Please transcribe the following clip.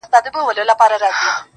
د ميني درد.